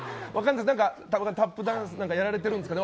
タップダンスやられてるんですかね？